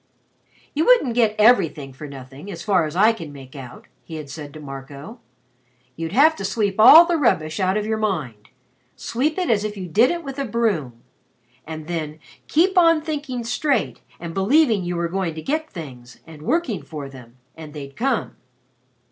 "You wouldn't get everything for nothing, as far as I can make out," he had said to Marco. "You'd have to sweep all the rubbish out of your mind sweep it as if you did it with a broom and then keep on thinking straight and believing you were going to get things and working for them and they'd come."